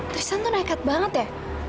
terusan tuh nekat banget ya